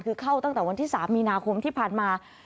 คือเข้าตั้งแต่วันที่๓มีนาคมที่ผ่านมา